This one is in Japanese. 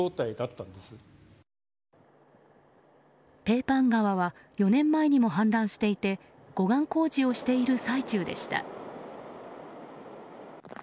ペーパン川は４年前にも氾濫していて護岸工事をしている最中でした。